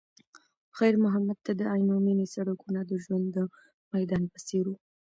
خیر محمد ته د عینومېنې سړکونه د ژوند د میدان په څېر وو.